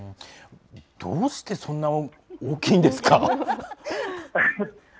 どうしてそんな大きいんですか？